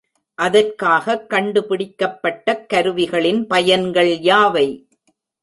அதற்காகக் கண்டு பிடிக்கப்பட்டக் கருவிகளின் பயன்கள் யாவை?